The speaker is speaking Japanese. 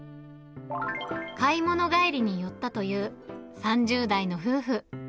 買い物帰りに寄ったという、３０代の夫婦。